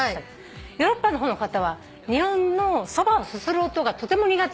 ヨーロッパの方の方は日本のそばをすする音がとても苦手。